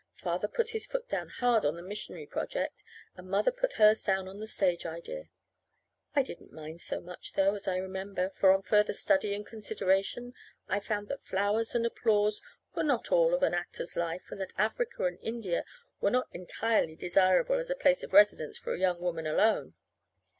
Father put his foot down hard on the missionary project, and Mother put hers down on the stage idea. I didn't mind so much, though, as I remember, for on further study and consideration, I found that flowers and applause were not all of an actor's life, and that Africa and India were not entirely desirable as a place of residence for a young woman alone.